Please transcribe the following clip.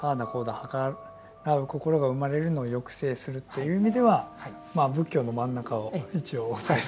はからう心が生まれるのを抑制するという意味ではまあ仏教の真ん中を一応押さえて。